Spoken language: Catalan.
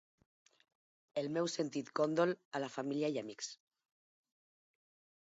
El meu sentit condol a la família i amics.